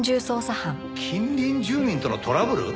近隣住民とのトラブル？